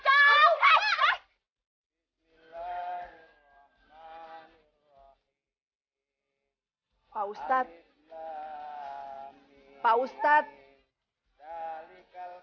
tidak bukan nuhrin nyari